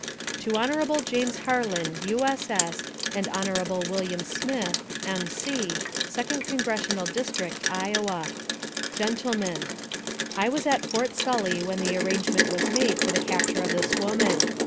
To HON. JAMES HARLAN, U. S. S , and HON. WM. SMYTH, M. C., Second Congressional District, Iowa : GENTLEMEN : I was at Fort Sully when the arrangement was made for the capture of this woman.